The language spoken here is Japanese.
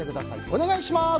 お願いします。